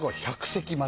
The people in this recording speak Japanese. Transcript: １００席。